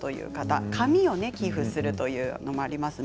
髪の毛を寄付するというのもありますね。